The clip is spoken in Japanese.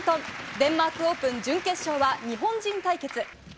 デンマークオープン準決勝は、日本人対決。